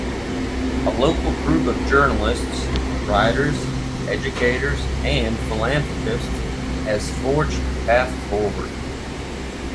A local group of journalists, writers, educators and philanthropists has forged a path forward.